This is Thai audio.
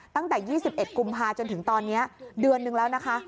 ตั้งแต่ยี่สิบเอ็ดกุมภาคมจนถึงตอนเนี้ยเดือนหนึ่งแล้วนะคะ